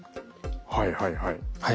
はいはいはい。